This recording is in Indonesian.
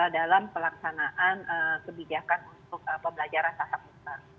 dalam pelaksanaan kebijakan untuk pembelajaran sasar pimpinan